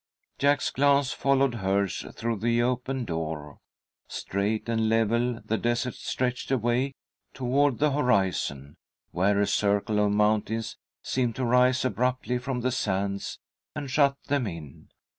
Jack's glance followed hers through the open door. Straight and level, the desert stretched away toward the horizon, where a circle of mountains seemed to rise abruptly from the sands, and shut them in.